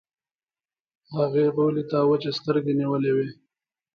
هغې غولي ته وچې سترګې نيولې وې.